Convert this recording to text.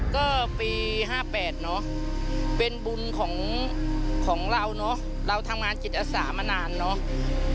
ก็ปี๕๘เนอะเป็นบุญของเราเนอะเราทำงานจิตอาสามานานเนอะ